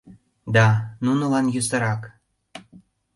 Да-а, нунылан йӧсырак.